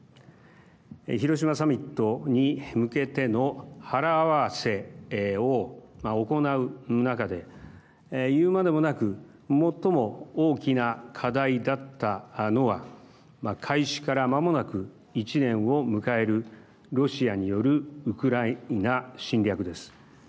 広島サミットに向けての腹合わせを行う中で言うまでもなく最も大きな課題だったのは開始からまもなく１年を迎えるロシアによるウクライナ侵略です。